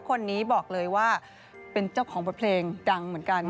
คนนี้บอกเลยว่าเป็นเจ้าของบทเพลงดังเหมือนกัน